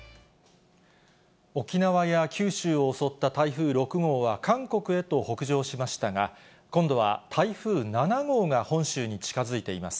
沖縄や九州を襲った台風６号は、韓国へと北上しましたが、今度は台風７号が本州に近づいています。